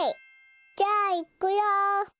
じゃあいくよ！